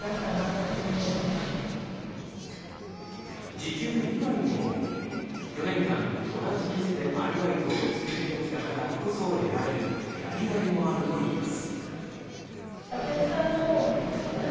時給以外にも４年間同じ店でアルバイトを続けてきたからこそ得られるやりがいもあるといいます。